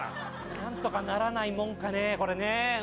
なんとかならないもんかね、これね。